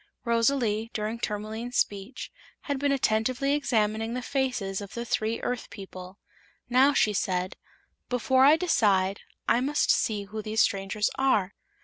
Rosalie, during Tourmaline's speech, had been attentively examining the faces of the three Earth people. Now she said: "Before I decide I must see who these strangers are.